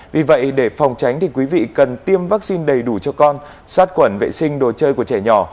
vì vậy để phòng tránh thì quý vị cần tiêm vaccine đầy đủ cho con sát quẩn vệ sinh đồ chơi của trẻ nhỏ